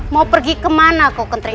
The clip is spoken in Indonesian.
mau pergi kemana kau kenteriman